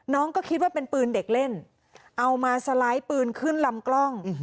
น้องก็คิดว่าเป็นปืนเด็กเล่นเอามาสไลด์ปืนขึ้นลำกล้อง